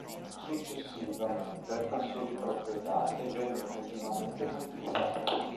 Successivamente passò di proprietà e venne continuamente modificato.